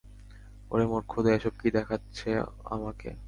ওরে মোর খোদা, এসব কী দেখাচ্ছ আমাকে?